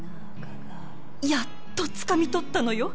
やっとつかみ取ったのよ